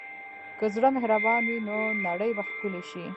که زړه مهربان وي، نو نړۍ به ښکلې شي.